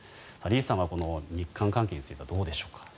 李さんは日韓関係についてはどうでしょうか？